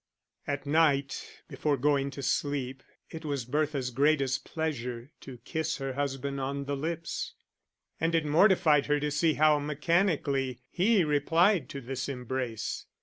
At night, before going to sleep, it was Bertha's greatest pleasure to kiss her husband on the lips, and it mortified her to see how mechanically he replied to this embrace.